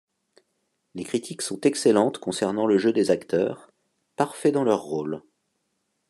Les critiques sont excellentes concernant le jeu des acteurs, parfaits dans leurs rôles.